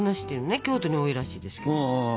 京都に多いらしいですけど。